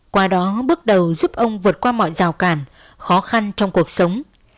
qua đó bước đầu giúp ông vượt qua mọi rào cản khó khăn trong cuộc sống